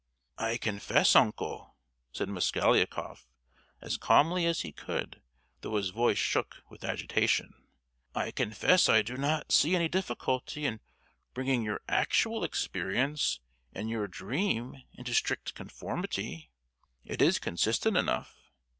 "I confess, uncle," said Mosgliakoff, as calmly as he could, though his voice shook with agitation, "I confess I do not see any difficulty in bringing your actual experience and your dream into strict conformity; it is consistent enough.